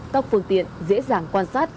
tóc phương tiện dễ dàng quan sát